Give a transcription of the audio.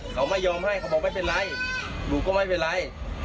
เขาไม่ยอมให้เขาบอกไม่เป็นไรหนูก็ไม่เป็นไร